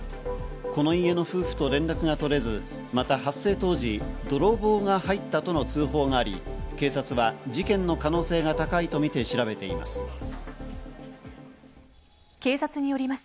この家の夫婦と連絡が取れず、また発生当時、泥棒が入ったとの通報があり、警察は事件の可能性が高いとみて調べています。